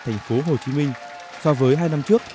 thành phố hồ chí minh so với hai năm trước